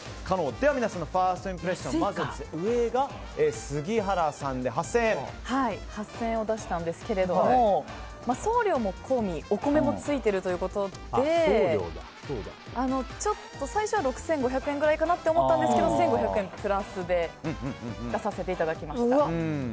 では、皆さんのファーストインプレッション８０００円を出したんですけども送料も込みお米もついてるということで最初は６５００円くらいかなと思ったんですけど１５００円プラスで出させていただきました。